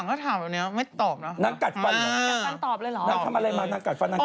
นางทำอะไรมานางกัดฟันนางกินยานอนหลับเหรอเถอะ